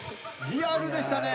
リアルでしたね。